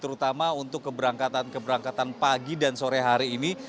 terutama untuk keberangkatan keberangkatan pagi dan sore hari ini